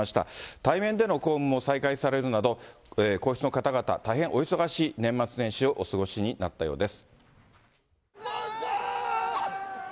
対面での公務も再開されるなど、皇室の方々、大変お忙しい年末年始をお過ごしになったようです。